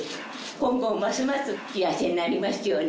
今後ますます幸せになりますように。